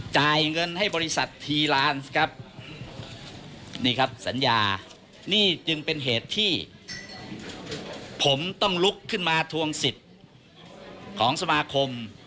จ่ายเงินให้บริษัททีลานซ์ครับนี่ครับสัญญานี่จึงเป็นเหตุที่ผมต้องลุกขึ้นมาทวงสิทธิ์ของสมาคม